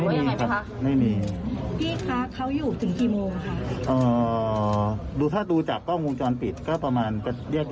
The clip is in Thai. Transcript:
อันนี้ซันไม่ทราบจริงเพราะปลอดภัยร่ำขึ้นมาก่อน